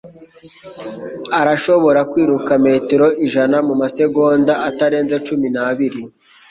Arashobora kwiruka metero ijana mumasegonda atarenze cumi n'abiri.